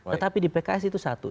tetapi di pks itu satu